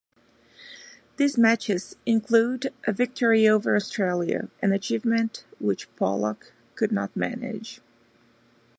These matches include a victory over Australia, an achievement which Pollock could not manage.